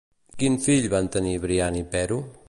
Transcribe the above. Quin fill van tenir Biant i Pero?